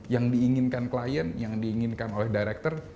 yang diinginkan klien yang diinginkan oleh director